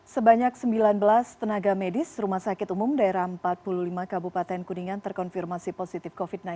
sebanyak sembilan belas tenaga medis rumah sakit umum daerah empat puluh lima kabupaten kuningan terkonfirmasi positif covid sembilan belas